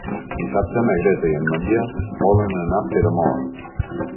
Dissabte na Greta i en Maria volen anar a Peramola.